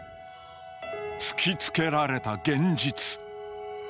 突きつけられた現実。